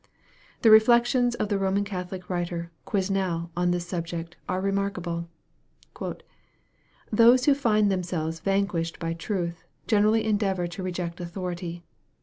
The reflections of the Roman Catholic writer, Quesnel, on this sub iect, arc remarkable :" Those who find themselves vanquished by truth, generally endeavor to reject authority.